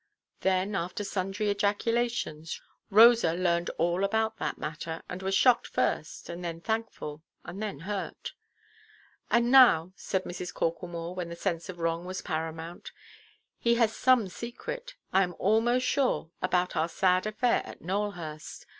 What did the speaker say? Then, after sundry ejaculations, Rosa learned all about that matter, and was shocked first, and then thankful, and then hurt. "And now," said Mrs. Corklemore, when the sense of wrong was paramount, "he has some secret, I am almost sure, about our sad affair at Nowelhurst.